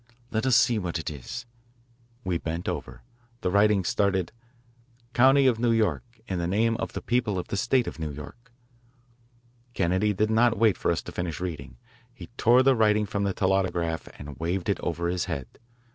Let us see what it is." We bent over. The writing started: "County of New York. In the name of the People of the State of New York " Kennedy did not wait for us to finish reading. He tore the writing from the telautograph and waved it over his head.